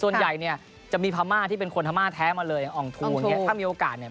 ส่วนใหญ่เนี่ยจะมีพรรมาที่เป็นคนธรรมะแท้มาเลยออนทูถ้ามีโอกาสเนี่ย